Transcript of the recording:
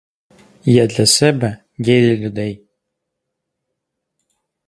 Є для себе, є й для людей.